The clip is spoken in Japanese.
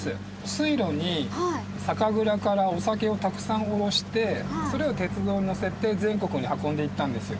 水路に酒蔵からお酒をたくさんおろしてそれを鉄道に載せて全国に運んでいったんですよ。